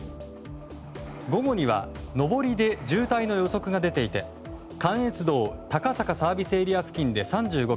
午後には上りで渋滞の予測が出ていて関越道、高坂ＳＡ付近で３５ｋｍ